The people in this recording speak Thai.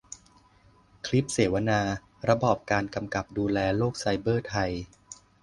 คลิปเสวนา : ระบอบการกำกับดูแลโลกไซเบอร์ไทย